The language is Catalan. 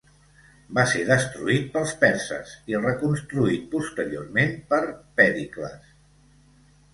Va ser destruït pels perses i reconstruït posteriorment per Pèricles.